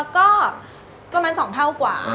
ก็ประมาณ๒เท่ากว่า